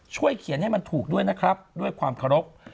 เขียนให้มันถูกด้วยนะครับด้วยความเคารพ